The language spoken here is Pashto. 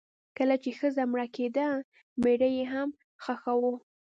کله چې ښځه مړه کیده میړه یې هم خښاوه.